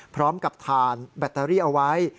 พร้อมกับถ่านแบตเตอรี่เอาไว้